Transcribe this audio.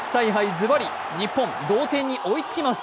ズバリ日本、同点に追いつきます。